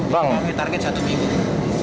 tapi target satu minggu